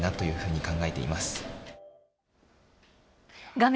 画面